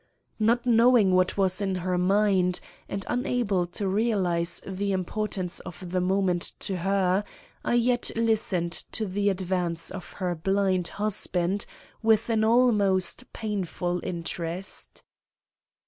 Not knowing what was in her mind, and unable to realize the importance of the moment to her, I yet listened to the advance of her blind husband with an almost painful interest.